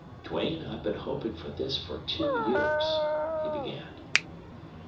"Duane, I've been hoping for this for two years," he began.